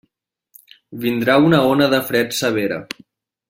Vindrà una ona de fred severa.